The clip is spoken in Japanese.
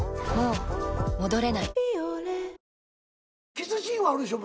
キスシーンはあるでしょ。